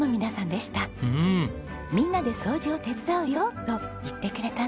みんなで掃除を手伝うよと言ってくれたんです。